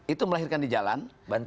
itu melahirkan di jalan